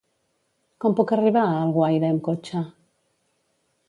Com puc arribar a Alguaire amb cotxe?